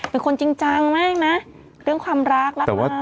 เป็นคนจริงน่ะเรื่องความรักละ